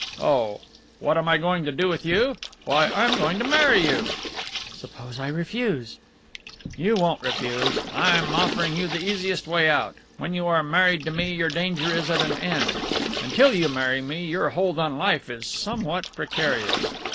Oh, what am I going to do with you? Why, I am going to marry you." "Suppose I refuse?" "You won't refuse. I am offering you the easiest way out. When you are married to me your danger is at an end. Until you marry me your hold on life is somewhat precarious."